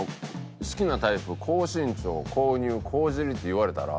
好きなタイプ高身長高乳高尻って言われたら。